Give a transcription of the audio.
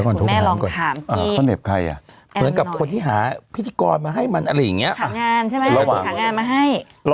คนนั้นอ่ะใครที่คุณจะบอกไอ้คนนั้นอ่ะใคร